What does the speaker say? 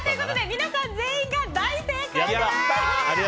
皆さん、全員が大正解です！